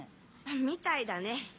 みたいだね。